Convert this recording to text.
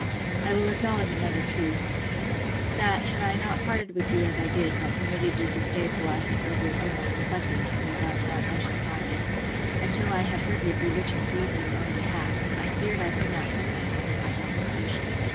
'I will acknowledge another truth: That, had I not parted with you as I did, but permitted you to stay till I had read your journal, reflecting, as I doubt not I shall find it, and till I had heard your bewitching pleas in your own behalf, I feared I could not trust myself with my own resolution.